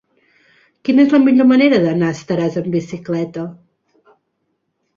Quina és la millor manera d'anar a Estaràs amb bicicleta?